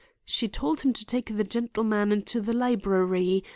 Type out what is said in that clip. She told him to take the gentleman into the library.